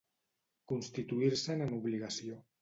Constituir-se'n en obligació.